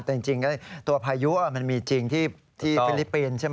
แต่จริงตัวพายุมันมีจริงที่ฟิลิปปินส์ใช่ไหม